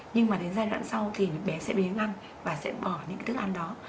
nhưng mà đến giai đoạn sau thì bé sẽ biến ăn và sẽ bỏ những cái thức ăn đó